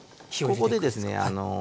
ここでですね